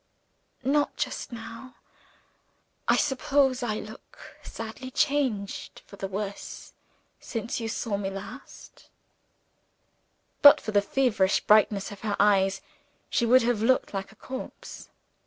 "Not just now. I suppose I look sadly changed for the worse since you saw me last?" But for the feverish brightness of her eyes, she would have looked like a corpse.